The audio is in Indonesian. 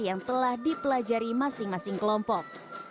yang telah dipelajari masing masing kelompok